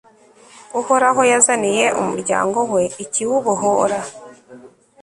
uhoraho yazaniye umuryango we ikiwubohora